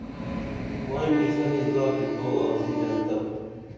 مائی برِسنی زادی تو آڅِی ژنتپ